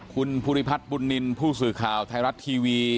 ขุนภูมิพลัทธ์ปุ่นนินผู้สื่อข่าวไทรรัสทีวี